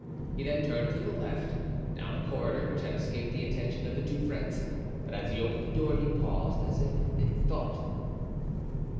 He then turned to the left, down a corridor which had escaped the attention of the two friends, but as he opened the door he paused, as if in thought.